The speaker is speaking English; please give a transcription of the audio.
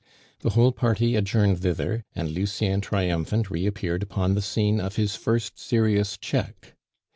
The whole party adjourned thither, and Lucien triumphant reappeared upon the scene of his first serious check.